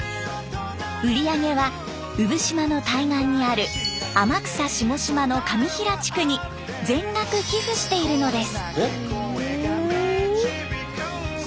売り上げは産島の対岸にある天草下島の上平地区に全額寄付しているのです。